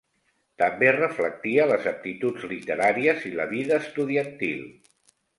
També reflectia les aptituds literàries i la vida estudiantil.